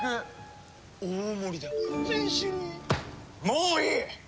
もういい！